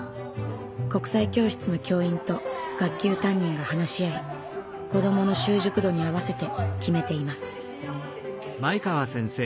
国際教室の教員と学級担任が話し合い子どもの習熟度に合わせて決めています。